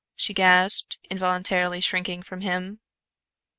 she gasped, involuntarily shrinking from him.